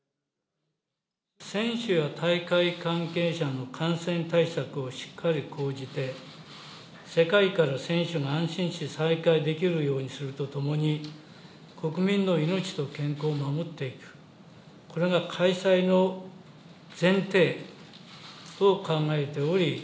選手や大会関係者の感染対策をしっかり講じて、世界から選手が安心して参加できるようにするとともに、国民の命と健康を守っていく、これが開催の前提と考えており。